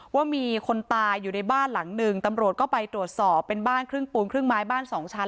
ว่ามีคนตายอยู่ในบ้านหลังหนึ่งตำรวจก็ไปตรวจสอบเป็นบ้านครึ่งปูนครึ่งไม้บ้านสองชั้น